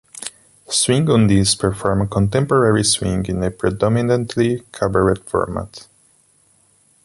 Swing on This perform contemporary swing in a predominantly cabaret format.